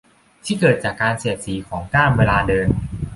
ที่เกิดจากการเสียดสีของก้ามเวลาเดิน